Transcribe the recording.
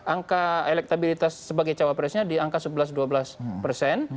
angka elektabilitas sebagai cawapresnya di angka sebelas dua belas persen